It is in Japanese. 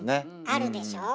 あるでしょう？